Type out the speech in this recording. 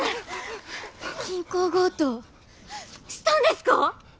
銀行強盗したんですか！？